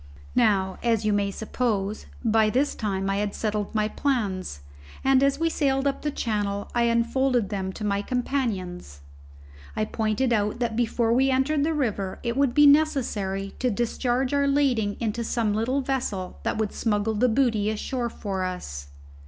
Now, as you may suppose, by this time I had settled my plans; and as we sailed up channel, I unfolded them to my companions. I pointed out that before we entered the river it would be necessary to discharge our lading into some little vessel that would smuggle the booty ashore for us.